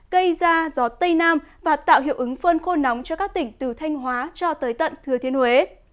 gây ra gió tây nam và tạo hiệu ứng phơn khô nóng cho các tỉnh từ thanh hóa cho tới tận thừa thiên huế